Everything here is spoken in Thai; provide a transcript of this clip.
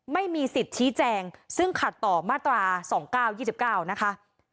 ไม่มีสิทธิ์ชี้แจงซึ่งขัดต่อมาตรา๒๙๒๙นะคะ